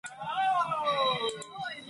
I need a full backup of the internet.